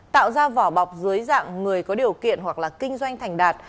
tạo ra vỏ bọc dưới dạng người có điều kiện hoặc là kinh doanh thành đạt